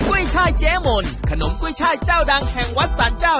ุ้ยช่ายเจ๊มนขนมกุ้ยช่ายเจ้าดังแห่งวัดสารเจ้า